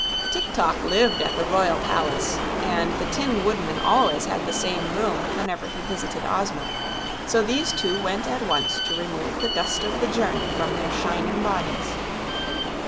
Tik tok lived at the Royal Palace and the Tin Woodman always had the same room whenever he visited Ozma, so these two went at once to remove the dust of the journey from their shining bodies.